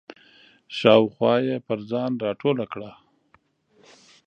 شاوخوا یې پر ځان راټوله کړه.